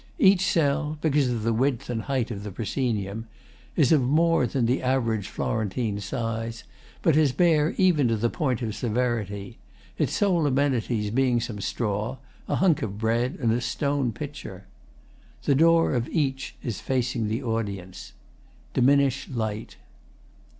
Each cell (because of the width and height of the proscenium) is of more than the average Florentine size, but is bare even to the point of severity, its sole amenities being some straw, a hunk of bread, and a stone pitcher. The door of each is facing the audience. Dimish light.